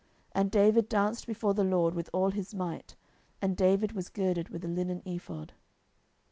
10:006:014 And David danced before the LORD with all his might; and David was girded with a linen ephod.